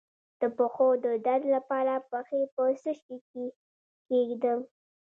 د پښو د درد لپاره پښې په څه شي کې کیږدم؟